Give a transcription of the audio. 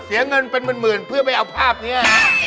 เสียเงินเป็นหมื่นเพื่อไปเอาภาพนี้